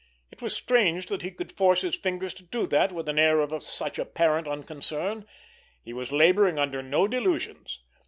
It was strange that he could force his fingers to do that with an air of such apparent unconcern. He was laboring under no delusions.